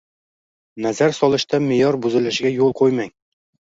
Nazar solishda me’yor buzilishiga yo‘l qo‘ymang.